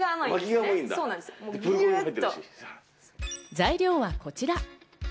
材料はこちら。